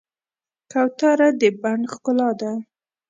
کوتره د بڼ ښکلا ده.